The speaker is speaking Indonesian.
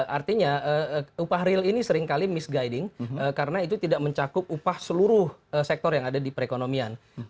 artinya upah real ini seringkali misguiding karena itu tidak mencakup upah seluruh sektor yang ada di perekonomian